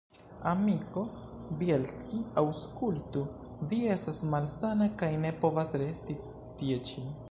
Amiko Bjelski, aŭskultu: vi estas malsana kaj ne povas resti tie ĉi.